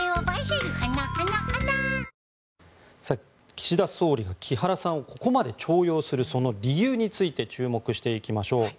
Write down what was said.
岸田総理が木原さんをここまで重用するその理由について注目していきましょう。